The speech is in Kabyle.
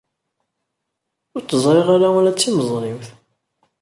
Ur tt-ẓriɣ ara ula d timeẓriwt.